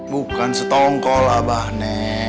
bukan setongkol abah neng